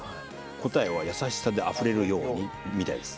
答えは「やさしさで溢れるように」みたいです。